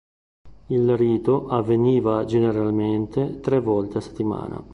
Il rito avveniva generalmente tre volte a settimana.